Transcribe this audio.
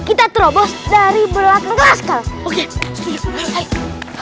kita terobos dari belakang gelas kak